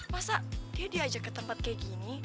masa dia diajak ke tempat kayak gini